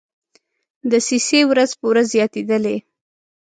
دسیسې ورځ په ورځ زیاتېدلې.